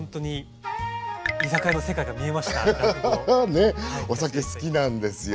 ねえお酒好きなんですよ。